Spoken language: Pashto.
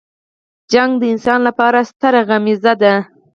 جګړه د انسان لپاره ستره غميزه ده